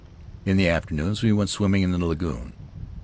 In the afternoons we went swimming in the lagoon.